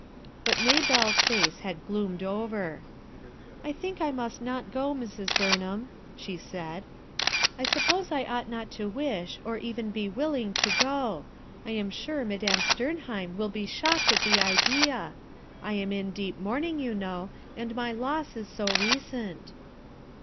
But Maybelle's face had gloomed over, "I think I must not go, Mrs. Burnham," " A STUDY » 277 she said. "I SU pp 0SC I ought not to wish or even be willing lo go I am sure Madame Stem hewn wUl be shocked at the idea. I am in deep mourning, you know, and my loss is so recent."